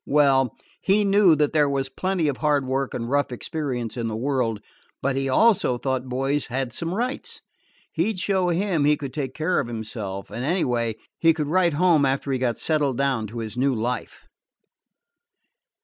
Well, he knew that there was plenty of hard work and rough experience in the world; but he also thought boys had some rights. He 'd show him he could take care of himself; and, anyway, he could write home after he got settled down to his new life.